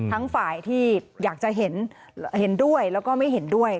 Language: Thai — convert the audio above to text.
ทั้งฝ่ายที่อยากจะเห็นด้วยแล้วก็ไม่เห็นด้วย